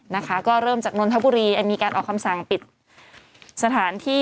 นะคะก็เริ่มจากนนทบุรีมีการออกคำสั่งปิดสถานที่